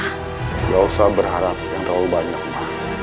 tidak usah berharap yang terlalu banyak